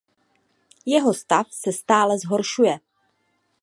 Jeho stav se stále zhoršuje.